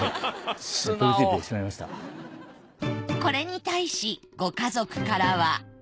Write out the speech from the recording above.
これに対しご家族からは